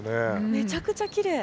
めちゃくちゃきれい。